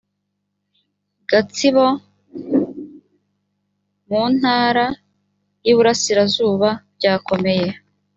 gatsibo mu intara y iburasirazuba byakomeye